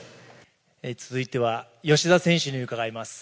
続いては吉田選手に伺います。